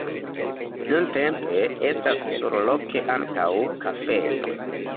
Nuntempe estas surloke ankaŭ kafejo.